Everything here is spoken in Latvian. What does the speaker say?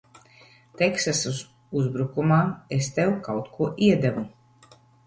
Teksasas uzbrukumā es tev kaut ko iedevu.